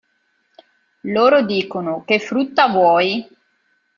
Loro dicono:"che frutta vuoi?